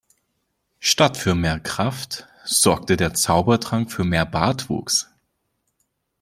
Statt für mehr Kraft sorgte der Zaubertrank für mehr Bartwuchs.